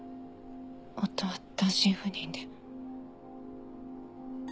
夫は単身赴任で。